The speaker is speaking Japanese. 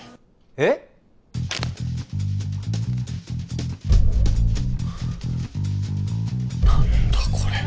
えっ何だこれ？